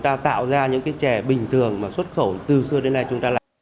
ta tạo ra những cái chè bình thường mà xuất khẩu